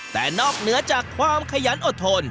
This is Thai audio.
แต่นอกเหนือจากความขยันอดทน